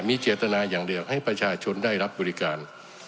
มีเจตนาอย่างเดียวให้ประชาชนได้รับบริการ